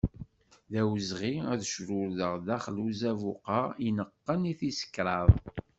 D awezɣi ad crurdeɣ daxel n uzabuq-a ineqqen i tis kraḍ.